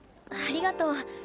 ありがとう。